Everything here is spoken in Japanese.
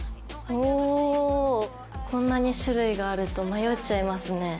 おこんなに種類があると迷っちゃいますね。